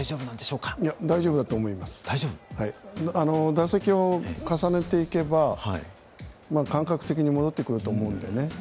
打席を重ねていけば感覚的に戻ってくると思うんでね。